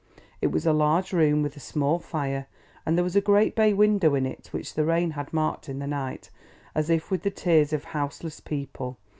It was a large room with a small fire, and there was a great bay window in it which the rain had marked in the night as if with the tears of houseless people.